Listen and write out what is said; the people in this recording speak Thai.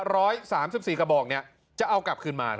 ร้อยสามสิบสี่กระบอกเนี่ยจะเอากลับคืนมา